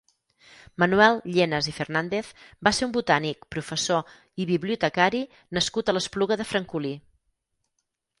Manuel Llenas i Fernández va ser un botànic, professor i bibliotecari nascut a l'Espluga de Francolí.